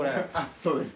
そうですね。